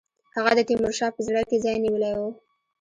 هغه د تیمورشاه په زړه کې ځای نیولی وو.